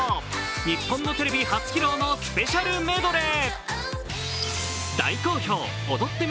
日本のテレビ初披露のスペシャルメドレー。